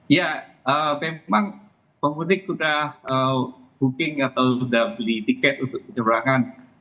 ya memang pemudik sudah booking atau sudah beli tiket untuk penyeberangan